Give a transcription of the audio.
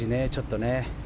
竜二、ちょっとね。